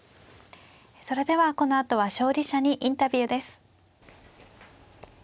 それではこのあとは勝利者にインタビューです。